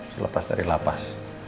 selepas dari lapas